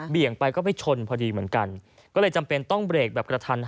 ไปก็ไปชนพอดีเหมือนกันก็เลยจำเป็นต้องเบรกแบบกระทัน